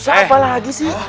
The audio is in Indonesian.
ustadz apalagi sih